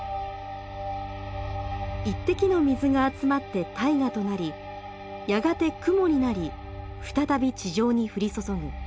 一滴の水が集まって大河となりやがて雲になり再び地上に降り注ぐ。